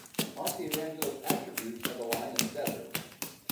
Mark the Evangelist attributes are the Lion in the desert.